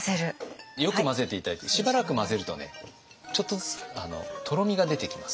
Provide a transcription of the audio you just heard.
よく混ぜて頂いてしばらく混ぜるとねちょっとずつとろみが出てきます。